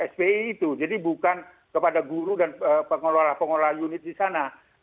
spi itu jadi bukan kepada guru dan pengelola pengelola unit di sana